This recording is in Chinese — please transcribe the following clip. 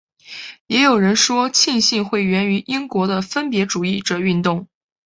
也有人说浸信会源于英国的分别主义者运动。